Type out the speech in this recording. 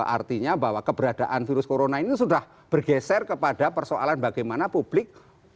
artinya bahwa keberadaan virus corona ini sudah bergeser kepada persoalan bagaimana publik